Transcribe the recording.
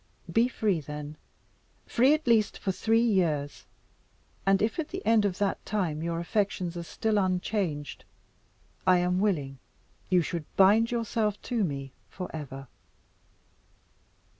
Be free, then free at least for three years and if at the end of that time your affections are still unchanged, I am willing you should bind yourself to me for ever."